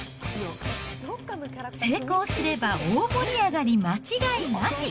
成功すれば大盛り上がり間違いなし。